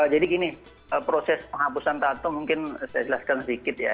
jadi gini proses penghapusan tato mungkin saya jelaskan sedikit ya